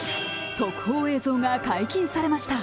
特報映像が解禁されました。